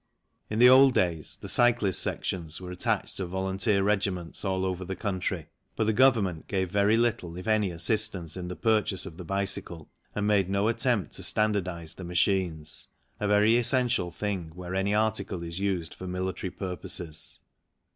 In the old days the cyclist sections were attached to volunteer regiments all over the country, but the Government gave very little, if any, assistance in the purchase of the bicycle and made no attempt to standardize the machines a very essential thing where any article is used for military purposes.